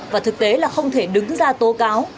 và thực tế là không thể đứng ra tố cáo